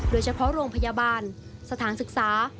โดยเฉพาะโรงพยาบาลสถานศึกษา